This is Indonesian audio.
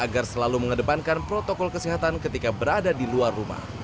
agar selalu mengedepankan protokol kesehatan ketika berada di luar rumah